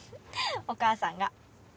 お母さんが。